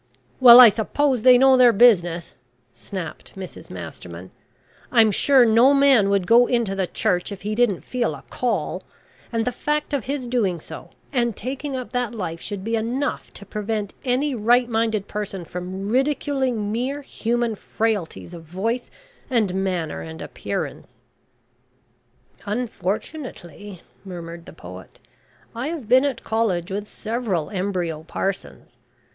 "Well, I suppose they know their business," snapped Mrs Masterman, "I'm sure no man would go into the Church if he didn't feel a call, and the fact of his doing so and taking up that life should be enough to prevent any right minded person from ridiculing mere human frailties of voice and manner and appearance." "Unfortunately," murmured the poet, "I have been at college with several embryo parsons.